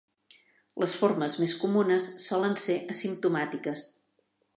Les formes més comunes solen ser asimptomàtiques.